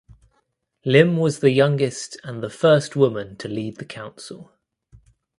Lim was the youngest and the first woman to lead the council.